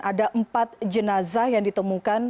ada empat jenazah yang ditemukan